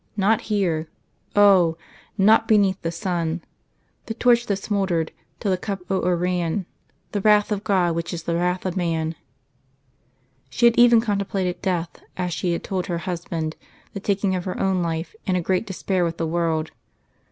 Not here! Oh! not beneath the sun.... The torch that smouldered till the cup o'er ran The wrath of God which is the wrath of Man! She had even contemplated death, as she had told her husband the taking of her own life, in a great despair with the world.